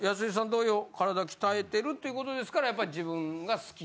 同様体鍛えてるっていうことですからやっぱり自分が好き？